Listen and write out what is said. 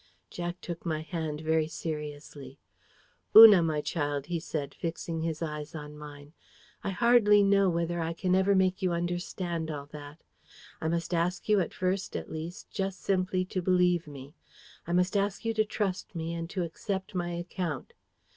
Jack took my hand very seriously. "Una, my child," he said, fixing his eyes on mine, "I hardly know whether I can ever make you understand all that. I must ask you at first at least just simply to believe me. I must ask you to trust me and to accept my account.